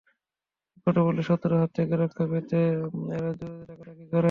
বিপদে পড়লে শত্রুর হাত থেকে রক্ষা পেতে এরা জোরে ডাকাডাকি করে।